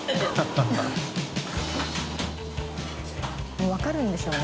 もう分かるんでしょうね